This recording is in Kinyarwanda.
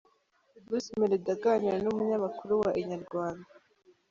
Bruce Melody aganira n’umunyamakuru wa Inyarwanda.